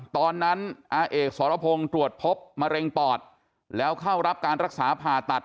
อาเอกสรพงศ์ตรวจพบมะเร็งปอดแล้วเข้ารับการรักษาผ่าตัด